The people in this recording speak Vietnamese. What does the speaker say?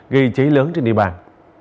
gây chế lớn trên địa bàn